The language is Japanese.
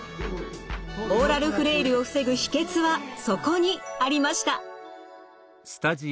オーラルフレイルを防ぐ秘けつはそこにありました。